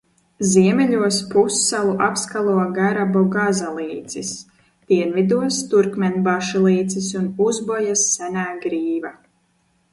Ziemeļos pussalu apskalo Garabogaza līcis, dienvidos – Turkmenbaši līcis un Uzbojas senā grīva.